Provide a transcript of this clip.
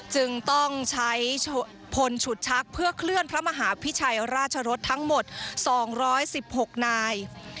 จึงต้องใช้พลฉุดชักเพื่อเคลื่อนพระมหาพิชัยราชรสทั้งหมด๒๑๖นาย